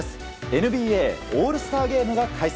ＮＢＡオールスターゲームが開催。